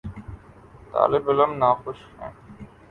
طالب علم ناخوش ہیں۔